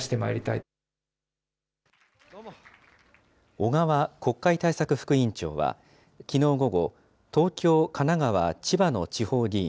小川国会対策副委員長は、きのう午後、東京、神奈川、千葉の地方議員